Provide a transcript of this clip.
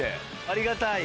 ありがたい。